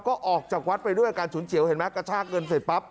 ก็ออกจากวัดไปด้วยอาการฉุนเฉียวเห็นไหมกระชากเงินเสร็จปั๊บ